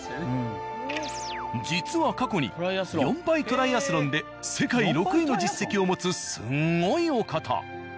実は過去に４倍トライアスロンで世界６位の実績を持つスンゴイお方。